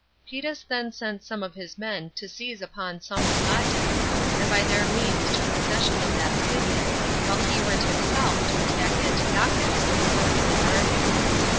Petus then sent some of his men to seize upon Samosate, and by their means took possession of that city, while he went himself to attack Antiochus with the rest of his army.